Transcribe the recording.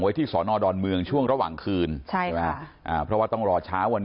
ไว้ที่ศดเมืองช่วงระหว่างคืนเพราะว่าต้องรอช้าวันเนี้ย